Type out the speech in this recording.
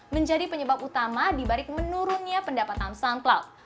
menjadi penyebab utama dibalik menurunnya pendapatan soundcloud